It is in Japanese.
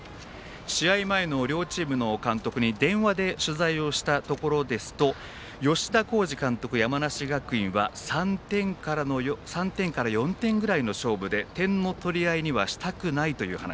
試合前の両チームの監督に電話で取材したところですと吉田洸二監督、山梨学院は３点から４点ぐらいの勝負で、点の取り合いにはしたくないという話。